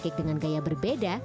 pancake dengan gaya berbeda